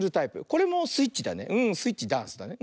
これもスイッチだねスイッチダンスだね。